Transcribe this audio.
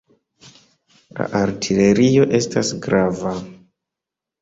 La artilerio estas grava.